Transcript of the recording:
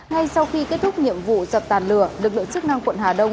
ngay sau khi kết thúc nhiệm vụ dập tàn lửa lực lượng chức năng quận hà đông